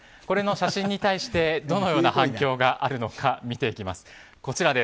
この写真に対してどのような反響があるのか見ていきます。